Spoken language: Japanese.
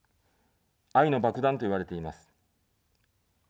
愛の爆弾といわれています。